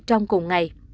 trong cùng ngày